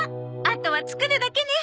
あとは作るだけね。